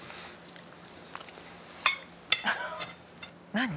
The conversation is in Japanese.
何？